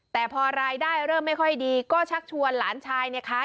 แต่พอรายได้เริ่มไม่ค่อยดีก็ชักชวนหลานชายเนี่ยค้า